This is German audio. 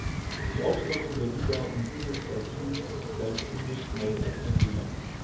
Die Aufstockung der Liga um diese zwei Teams galt ziemlich schnell als ein Fehler.